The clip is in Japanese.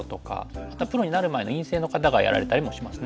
あとはプロになる前の院生の方がやられたりもしますね。